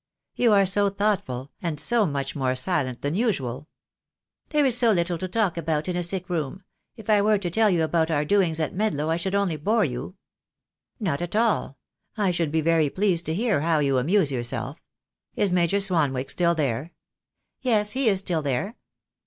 "You are so thoughtful, and so much more silent than usual." "There is so little to talk about in a sick room. If I were to tell you about our doings at Medlow I should only bore you." "Not at all. I should be very pleased to hear how you amuse yourself. Is Major Swanwick still there?" "Yes; he is still there."